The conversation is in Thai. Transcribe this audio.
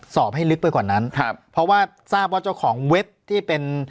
สอบให้ลึกไปกว่านั้นครับเพราะว่าทราบว่าเจ้าของเว็บที่เป็น